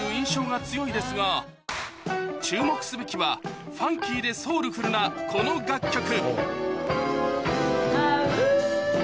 注目すべきはファンキーでソウルフルなこの楽曲